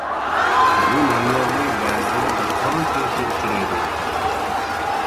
بۇ ناملارنىڭ بەزىلىرى بىر قانچە يۇرتتا ئۇچرايدۇ.